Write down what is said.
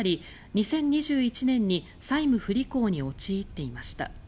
２０２１年に債務不履行に陥っていました。